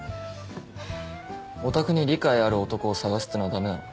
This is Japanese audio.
ヲタクに理解ある男を探すってのは駄目なの？